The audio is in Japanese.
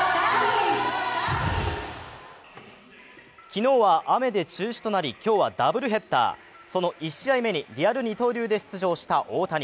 昨日は雨で中止となり今日はダブルヘッダーその１試合目にリアル二刀流で出場した大谷。